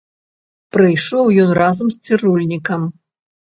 Прыйшоў ён разам з цырульнікам.